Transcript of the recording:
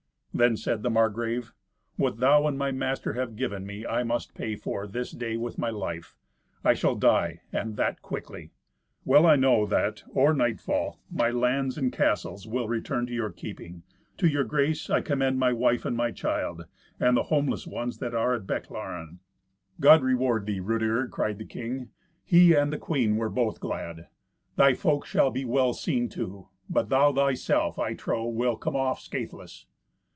Then said the Margrave, "What thou and my master have given me I must pay for, this day, with my life. I shall die, and that quickly. Well I know that, or nightfall, my lands and castles will return to your keeping. To your grace I commend my wife and my child, and the homeless ones that are at Bechlaren." "God reward thee, Rudeger," cried the king. He and the queen were both glad. "Thy folk shall be well seen to; but thou thyself, I trow, will come off scatheless."